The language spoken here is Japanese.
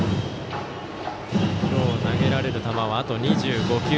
今日投げられる球はあと２５球。